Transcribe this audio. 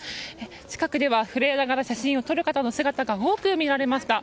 近くでは震えながら写真を撮る方の姿が多く見られました。